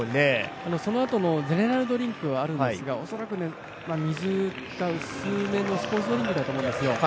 そのあとのドリンクはあるんですが恐らく水か、薄めのスポーツドリンクだと思うんですよ。